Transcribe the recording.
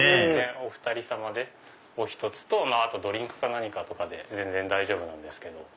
お２人さまでお１つとあとドリンクか何かとかで全然大丈夫なんですけど。